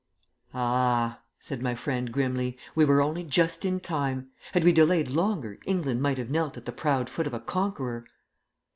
"Ah!" said my friend grimly, "we were only just in time. Had we delayed longer, England might have knelt at the proud foot of a conqueror!"